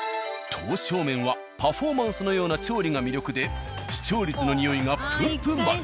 刀削麺はパフォーマンスのような調理が魅力で視聴率のにおいがぷんぷん丸。